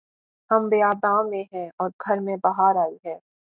ہم بیاباں میں ہیں اور گھر میں بہار آئی ہے